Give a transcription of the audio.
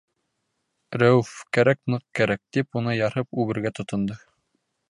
Рәүеф, кәрәк, ныҡ кәрәк, тип уны ярһып үбергә тотондо.